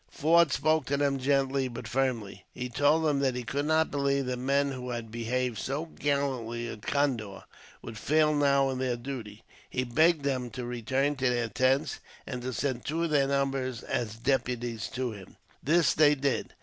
Forde spoke to them gently, but firmly. He told them that he could not believe that men who had behaved so gallantly, at Condore, would fail now in their duty. He begged them to return to their tents, and to send two of their number, as deputies, to him. This they did.